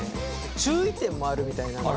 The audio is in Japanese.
注意点もあるみたいなんで。